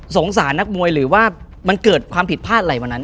สารนักมวยหรือว่ามันเกิดความผิดพลาดอะไรวันนั้น